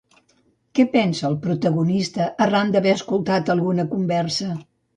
Què pensa el protagonista arran d'haver escoltat alguna conversa?